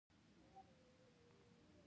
د بازارونو د ودي لپاره ځوانان هڅي کوي.